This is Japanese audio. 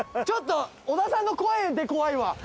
ちょっと小田さんの声で怖いわ。